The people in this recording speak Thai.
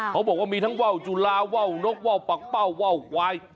เขาบอกว่ามีทั้งว่าวจุลาว่าวนกว่าวปักเป้าว่าวควาย